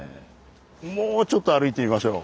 もうちょっと歩いてみましょう。